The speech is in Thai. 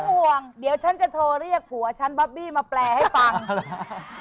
ห่วงเดี๋ยวฉันจะโทรเรียกผัวฉันบอบบี้มาแปลให้ฟัง